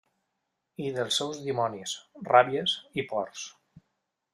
I dels seus dimonis, ràbies i pors.